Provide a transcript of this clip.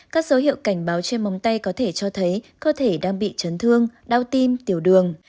các dấu hiệu cảnh báo trên mồng tay có thể cho thấy cơ thể đang bị chấn thương đau tim tiểu đường